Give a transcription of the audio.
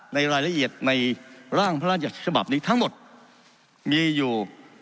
ในรายละเอียดในร่างพระราชฉบับนี้ทั้งหมดมีอยู่